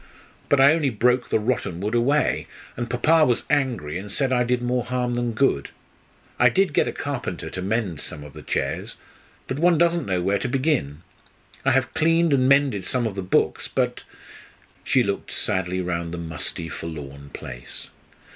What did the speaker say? But I only broke the rotten wood away; and papa was angry, and said I did more harm than good. I did get a carpenter to mend some of the chairs; but one doesn't know where to begin. I have cleaned and mended some of the books, but " She looked sadly round the musty, forlorn place.